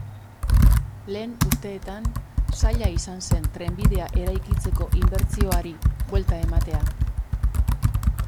Lehen urteetan zaila izan zen trenbidea eraikitzeko inbertsioari buelta ematea.